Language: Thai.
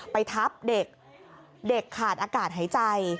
ไปทับเด็กเด็กขาดอากาศหายใจ